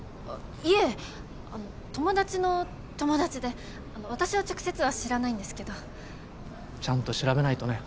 いえ友達の友達で私は直接は知らないんですけどちゃんと調べないとね